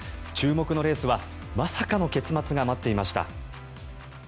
注目のレースはまさかの結末が待っていました。